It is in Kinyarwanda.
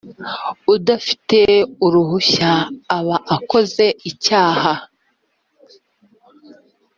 udafite uruhushya aba akoze icyaha .